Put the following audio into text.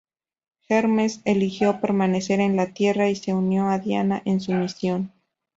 Hermes eligió permanecer en la Tierra y se unió a Diana en su misión.